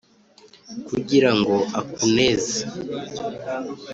Kugira ngo akuneze